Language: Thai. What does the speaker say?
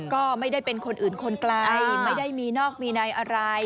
ก็ไม่ได้เป็นคนอื่นคนไกลไม่ได้มีนอกมีในอะไร